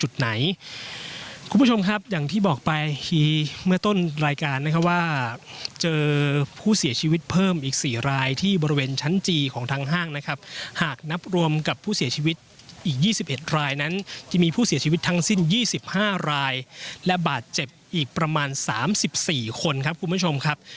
ถ้ารายงานให้เพิ่มขึ้นต่างนะครับหากนับรวมกับผู้เสียชีวิตอีกยี่สิบเอ็ดลายนั้นจะมีผู้เสียชีวิตทั้งสิ้น๒๕ลายและบาดเจ็บอีกประมาณ๓๔คนครับคุณผู้ชมครับ